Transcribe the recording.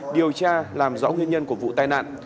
điều tra làm rõ nguyên nhân của vụ tai nạn